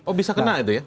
oh bisa kena itu ya